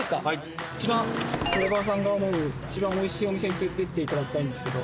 ドライバーさんが思う一番おいしいお店に連れていっていただきたいんですけど。